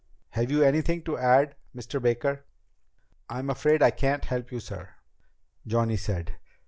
"Have you anything to add, Mr. Baker?" "I'm afraid I can't help you, sir," Johnny said.